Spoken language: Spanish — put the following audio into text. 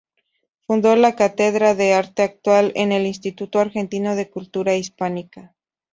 Fundó la cátedra de Arte Actual en el Instituto Argentino de Cultura Hispánica.